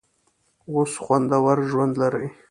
اوس خوندور ژوند لري.